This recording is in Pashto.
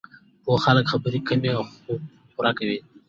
پوه خلک خبرې کمې، خو پوره کوي.